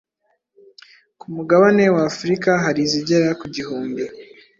ku mugabane wa Afurika hari izigera ku gihumbi